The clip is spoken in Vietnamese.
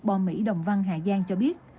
bò mỹ đồng văn hà giang cho biết